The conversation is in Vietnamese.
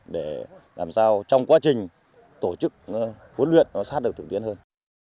để làm sao trong quá trình tổ chức huấn luyện nó sát được thực tiến hơn